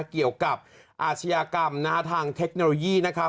เกี่ยวกับอาชียากรรมน่ะทางเทคโนโลยีนะคะ